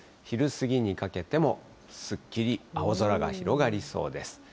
昼過ぎにかけてもすっきり青空が広がりそうです。